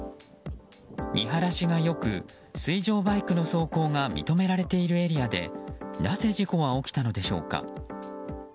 見晴らしが良く水上バイクの走行が認められているエリアでなぜ事故は起きたのでしょうか。